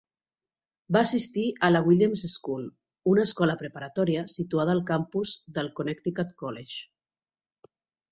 Va assistir a la Williams School, una escola preparatòria situada al campus del Connecticut College.